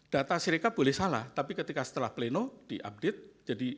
data sirika boleh salah tapi ketika setelah pleno diupdate